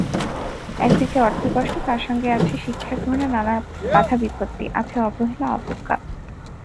একদিকে অর্থকষ্ট, তার সঙ্গে আছে শিক্ষা গ্রহণে নানা বাধাবিপত্তি, আছে অবহেলা-অবজ্ঞা।